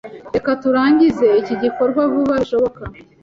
Reka turangize iki gikorwa vuba bishoboka.